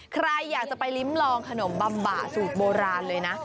ใครอยากจะไปลิ้มลองขนมบำบะสูตรโบราณเลยนะ